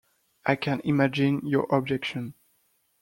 I can imagine your objection.